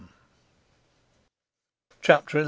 CHAPTER XI.